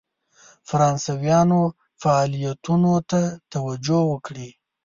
فرانسویانو فعالیتونو ته توجه وکړي.